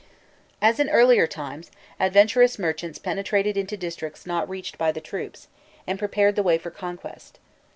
As in earlier times, adventurous merchants penetrated into districts not reached by the troops, and prepared the way for conquest.